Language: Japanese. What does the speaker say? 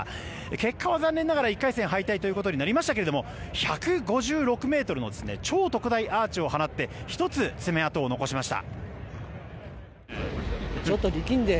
結果は残念ながら、１回戦敗退ということになりましたが１５６ｍの超特大アーチを放って１つ、爪痕を残しました。